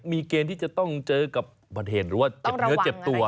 มีเกณฑ์ที่จะต้องเจอกับอุบัติเหตุหรือว่าเจ็บเนื้อเจ็บตัว